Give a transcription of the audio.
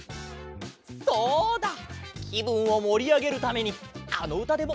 そうだきぶんをもりあげるためにあのうたでもうたおっか！